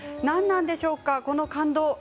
何なんでしょうか、この感動。